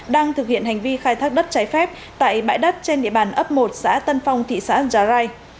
đang thực hiện hành vi khai thác đất trái phép tại bãi đất trên địa bàn ấp một xã tân phong thị xã già rai